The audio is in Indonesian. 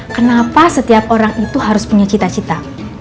kenapa setiap orang itu harus punya cita cita